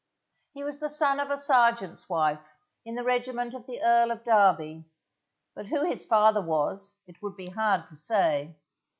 He was the son of a serjeant's wife, in the regiment of the Earl of Derby, but who his father was it would be hard to say.